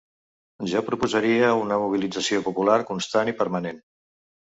Jo proposaria una mobilització popular constant i permanent.